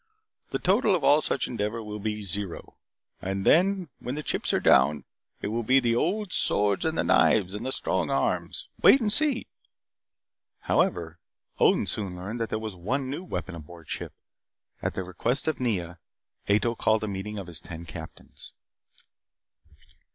The total of all such endeavor will be zero. And then, when the chips are down, it will be the old swords and the knives and the strong arms. Wait and see " However, Odin soon learned that there was one new weapon aboard ship. At the request of Nea, Ato called a meeting of his ten captains.